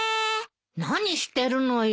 何してるのよ？